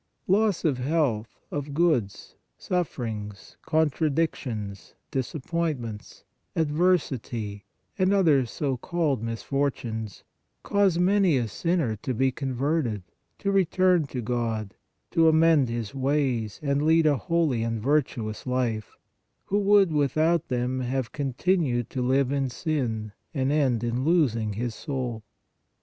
Loss of health, of goods, sufferings, contradictions, disappointments, adversity and other so called misfortunes cause many a sinner to be converted, to return to God, to amend his ways and lead a holy and virtuous life, who would, without them, have continued to live in sin and end in losing his soul.